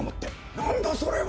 何だそれは！